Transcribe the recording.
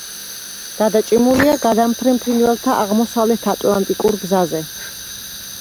გადაჭიმულია გადამფრენ ფრინველთა აღმოსავლეთ ატლანტიკურ გზაზე.